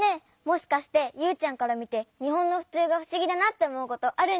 もしかしてユウちゃんからみてにほんのふつうがふしぎだなっておもうことあるんじゃない？